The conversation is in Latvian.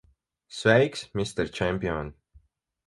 Sveiks, mister čempion!